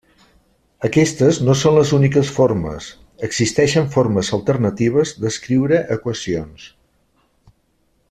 Aquestes no són les úniques formes: existeixen formes alternatives d'escriure equacions.